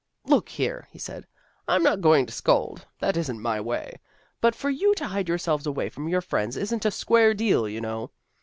" Look here," he said. " I'm not going to scold. That isn't my way. But for you to hide yourselves away from your friends isn't a square deal, you know.